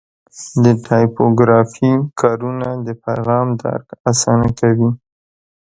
د ټایپوګرافي کارونه د پیغام درک اسانه کوي.